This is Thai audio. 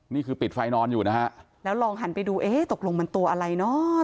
นี่คือปิดไฟนอนอยู่นะฮะแล้วลองหันไปดูเอ๊ะตกลงมันตัวอะไรเนอะ